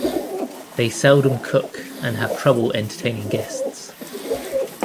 They seldom cook, and have trouble entertaining guests.